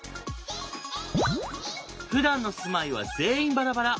ふだんの住まいは全員バラバラ。